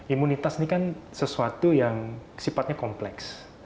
imunitas ini kan sesuatu yang sifatnya kompleks